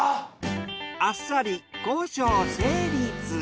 あっさり交渉成立。